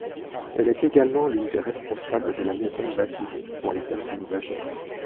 Elle est également l'une des responsables de la maison baptiste pour les personnes âgées.